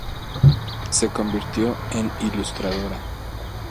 Se convirtió en ilustradora.